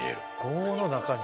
５の中に？